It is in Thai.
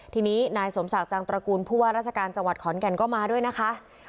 ทีนี้นายสมศักดิ์จังตระกูลผู้ว่าราชการจังหวัดขอนแก่นก็มาด้วยนะคะ